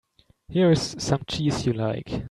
Here's some cheese you like.